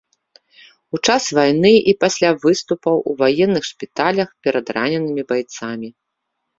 У час вайны і пасля выступаў у ваенных шпіталях перад раненымі байцамі.